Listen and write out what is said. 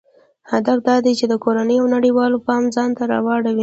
هدف دا دی چې د کورنیو او نړیوالو پام ځانته راواړوي.